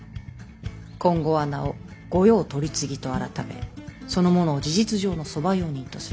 今後は名を「御用取次」と改めその者を事実上の側用人とする。